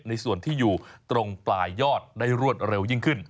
ในส่วนที่อยู่ตรงปลายยอดได้รวดเร็วยิ่งขึ้น